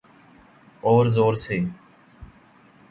أور زور سے۔